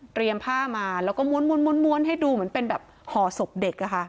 เตรียมผ้ามาแล้วก็ม้วนให้ดูเหมือนเป็นแบบห่อศพเด็กอ่ะค่ะ